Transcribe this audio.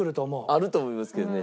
あると思いますけどね。